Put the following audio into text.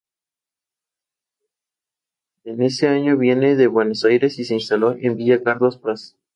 Debido a que no era de gravedad, el jugador estrella no fue desafectado.